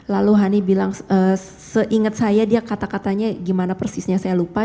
lalu hani bilang seingat saya dia kata katanya gimana persisnya saya lupa